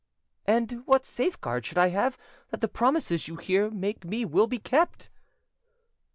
"And what safeguard should I have that the promises you here make me will be kept?"